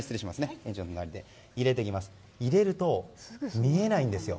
入れていきますと見えないんですよ。